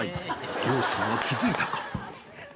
両親は気付いたか？